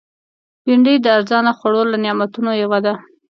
بېنډۍ د ارزانه خوړو له نعمتونو یوه ده